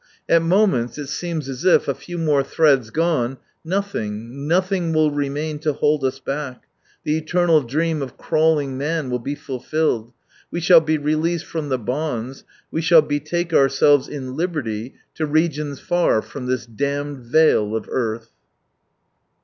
At moments it seems as if, a few more threads gone, nothing, nothing will remain to hold us back, the eternal dream of crawling man will be fulfilled, we shall be released from the bonds, we shall betake ourselves in liberty to regions far from this damned vale of earth.